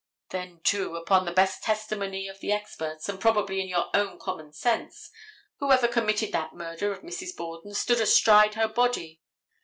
Then, too, upon the best testimony of the experts, and probably in your own common sense, whoever committed that murder of Mrs. Borden stood astride her body.